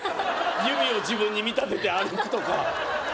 指を自分に見立てて歩くとか